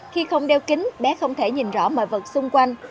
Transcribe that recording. khi không đeo kính bé không thể nhìn rõ mọi vật xung quanh